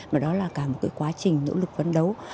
mà đó là cả một cái quá trình nỗ lực vấn đấu